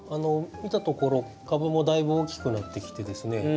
見たところ株もだいぶ大きくなってきてですね